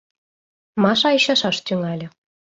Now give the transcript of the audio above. — Маша ӱчашаш тӱҥале.